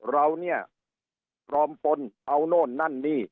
เราเนี่ยพร้อมปนเอานู้นนั่นนี่